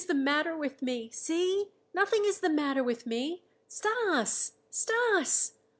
See, nothing is the matter with me. Stas! Stas!"